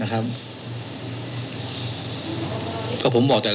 แต่เจ้าตัวก็ไม่ได้รับในส่วนนั้นหรอกนะครับ